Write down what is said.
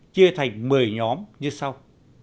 chia thành một mươi nhóm như sau